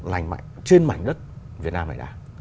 lành mạnh trên mảnh đất việt nam này đã